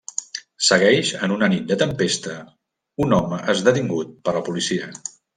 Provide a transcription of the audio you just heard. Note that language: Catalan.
Segueix, en una nit de tempesta, un home és detingut per la policia.